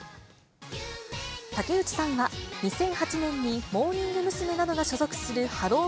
竹内さんは２００８年にモーニング娘。などが所属するハロー！